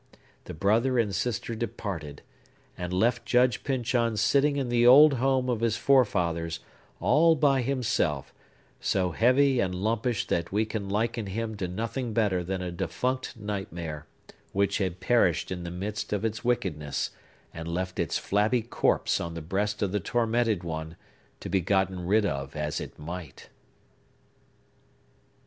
The brother and sister departed, and left Judge Pyncheon sitting in the old home of his forefathers, all by himself; so heavy and lumpish that we can liken him to nothing better than a defunct nightmare, which had perished in the midst of its wickedness, and left its flabby corpse on the breast of the tormented one, to be gotten rid of as it might!